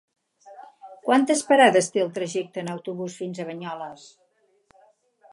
Quantes parades té el trajecte en autobús fins a Banyoles?